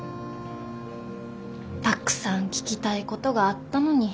たくさん聞きたいことがあったのに。